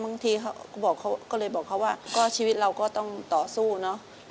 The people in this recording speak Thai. บางทีก็เลยบอกเขาว่าชีวิตเราก็ต้องต่อสู้เนอะ